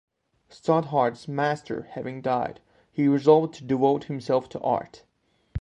Stothard's master having died, he resolved to devote himself to art.